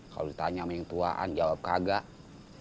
kalau ditanya sama yang tuaan jawab kagak